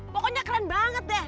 pokoknya keren banget deh